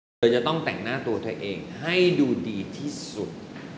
เธอจะต้องแต่งหน้าตัวเธอเองให้ดูดีที่สุด